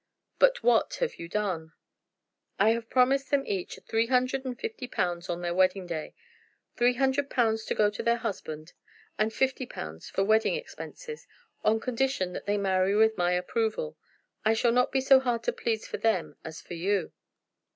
"But what have you done?" "I have promised them each three hundred and fifty pounds on their wedding day, three hundred pounds to go to their husbands, and fifty pounds for wedding expenses, on condition that they marry with my approval. I shall not be so hard to please for them as for you."